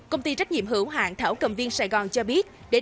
công ty trách nhiệm hữu hạng thảo cầm viên sài gòn cho biết